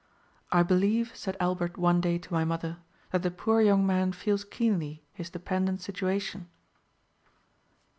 'I believe,' said Albert one day to my mother, 'that the poor young man feels keenly his dependent situation.'"